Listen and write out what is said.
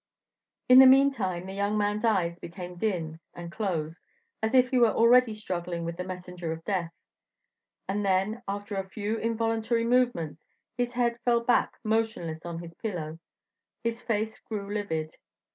In the meantime, the young man's eyes became dim, and closed, as if he were already struggling with the messenger of death; and then, after a few involuntary movements, his head fell back motionless on his pillow; his face grew livid.